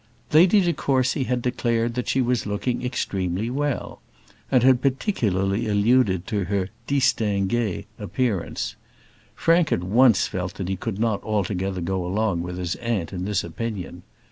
Lady de Courcy had declared that she was looking extremely well, and had particularly alluded to her distingué appearance. Frank at once felt that he could not altogether go along with his aunt in this opinion.